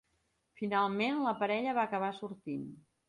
Finalment, la parella van acabar sortint.